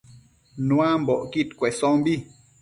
Nuambocquid cuesombi